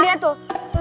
tuh tuh tuh